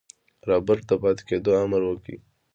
رابرټ د پاتې کېدو امر وکړ.